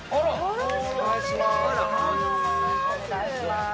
よろしくお願いします